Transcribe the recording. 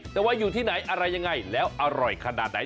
แต่ว่าอยู่ที่ไหนอะไรยังไงแล้วอร่อยขนาดไหน